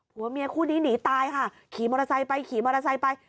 ผัวเมียคู่นี้หนีตายค่ะขี่มอเตอร์ไซค์ไปขี่มอเตอร์ไซค์ไป